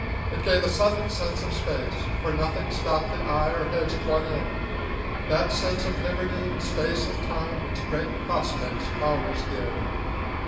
It gave a sudden sense of space, for nothing stopped the eye or hedged one in, that sense of liberty in space and time which great prospects always give.